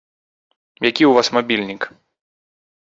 Які ў вас мабільнік?